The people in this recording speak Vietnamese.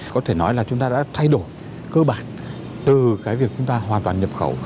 có thể nói là chúng ta đã thay đổi cơ bản từ cái việc chúng ta hoàn toàn nhập khẩu